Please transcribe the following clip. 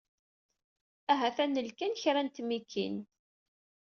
Ahat ad nel kan kra n tmikin.